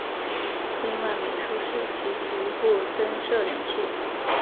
另外美术室及体育部增设冷气。